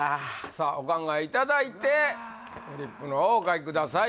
さっお考えいただいてフリップの方お書きください